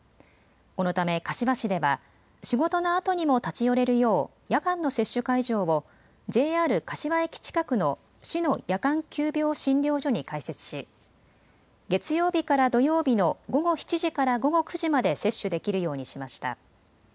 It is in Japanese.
このため柏市では仕事のあとにも立ち寄れるよう夜間の接種会場をＪＲ柏駅近くの市の夜間急病診療所に開設し月曜日から土曜日の午後７時から午後９時まで接種できるようにしました。